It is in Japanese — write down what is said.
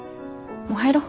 もう入ろう。